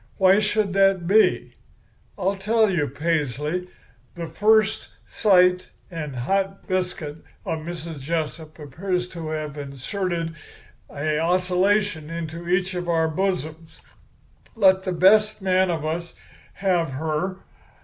Why should that be? I'll tell you, Paisley, the first sight and hot biscuit of Mrs. Jessup appears to have inserted a oscillation into each of our bosoms. Let the best man of us have her.